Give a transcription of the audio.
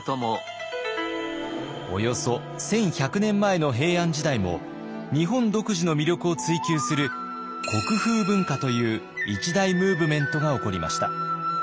およそ１，１００年前の平安時代も日本独自の魅力を追求する国風文化という一大ムーブメントが起こりました。